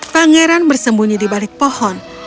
pangeran bersembunyi di balik pohon